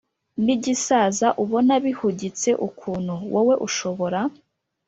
nigisaza ubona bihugitse ukuntu, wowe ushobora